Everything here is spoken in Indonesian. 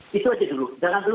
kita juga sudah berjalan jalan